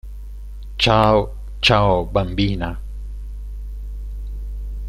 Ciao ciao bambina